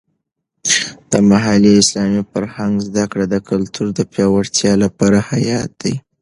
د محلي اسلامي فرهنګ زده کړه د کلتور د پیاوړتیا لپاره حیاتي ده.